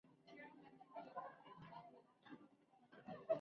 En el patio se encuentra una alberca visigoda.